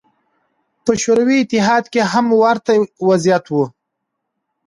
په شوروي اتحاد کې هم ورته وضعیت و.